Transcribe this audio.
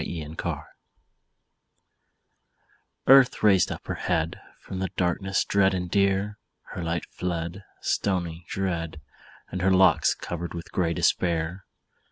EARTH'S ANSWER Earth raised up her head From the darkness dread and drear, Her light fled, Stony, dread, And her locks covered with grey despair.